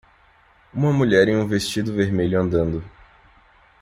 Uma mulher em um vestido vermelho andando.